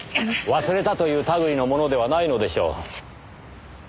忘れたという類いのものではないのでしょう。